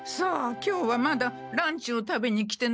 今日はまだランチを食べに来てないのよ。